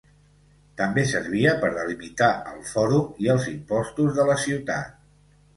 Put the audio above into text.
També servia per delimitar el fòrum i els impostos de la ciutat.